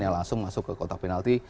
yang langsung masuk ke kota penalti